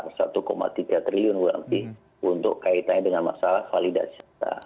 rp satu tiga triliun berarti untuk kaitannya dengan masalah validasi kita